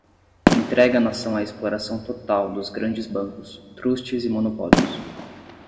entrega a Nação à exploração total dos grandes bancos, trustes e monopólios